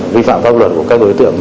vi phạm pháp luật của các đối tượng